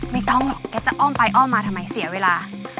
ไม่ต้องหรอกแกจะอ้อมไปอ้อมมาทำไมเสียเวลา